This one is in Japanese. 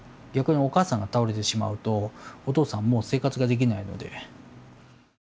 逆にお母さんが倒れてしまうとお父さんはもう生活ができないので。